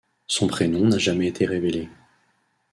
Son prénom n'a jamais été révélé.